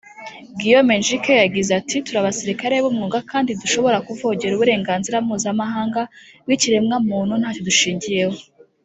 Guillaume Ndjike yagize ati “Turi abasirikare b’umwuga kandi ntidushobora kuvogera uburenganzira mpuzamahanga bw’ ikiremwa muntu ntacyo dushingiyeho